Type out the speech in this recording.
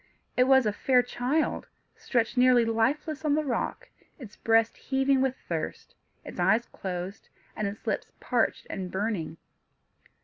It was a fair child, stretched nearly lifeless on the rock, its breast heaving with thirst, its eyes closed, and its lips parched and burning.